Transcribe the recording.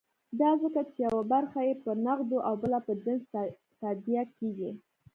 دا ځکه چې یوه برخه یې په نغدو او بله په جنس تادیه کېږي.